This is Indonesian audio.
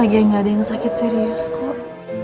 lagian tidak ada yang sakit serius kok